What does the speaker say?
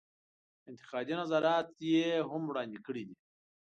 انتقادي نظرات یې هم وړاندې کړي دي.